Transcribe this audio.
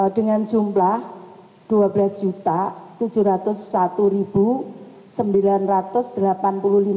dengan jumlah rp dua belas tujuh ratus satu